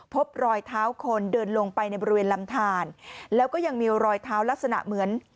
พบรอยเท้าคนเดินลงไปในบริเวณลำทานแล้วก็ยังมีรอยเท้าลักษณะเหมือน